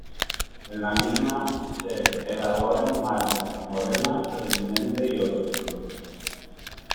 En la misma se elaboran Malta Morena, Presidente y otros productos.